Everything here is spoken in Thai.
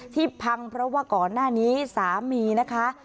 พังเพราะว่าก่อนหน้านี้สามีนะคะ